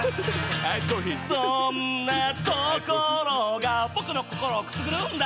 そんなところが僕の心をくすぐるんだ。